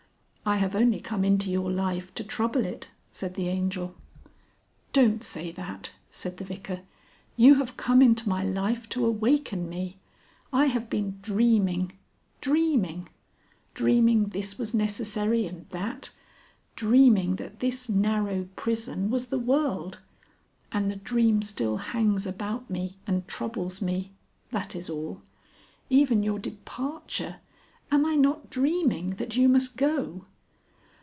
"I have only come into your life to trouble it," said the Angel. "Don't say that," said the Vicar. "You have come into my life to awaken me. I have been dreaming dreaming. Dreaming this was necessary and that. Dreaming that this narrow prison was the world. And the dream still hangs about me and troubles me. That is all. Even your departure . Am I not dreaming that you must go?"